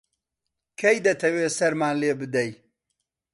کەی دەتەوێ سەرمان لێ بدەی؟